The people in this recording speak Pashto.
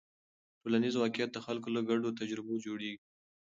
ټولنیز واقیعت د خلکو له ګډو تجربو جوړېږي.